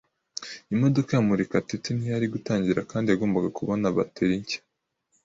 Imodoka ya Murekatete ntiyari gutangira kandi yagombaga kubona bateri nshya.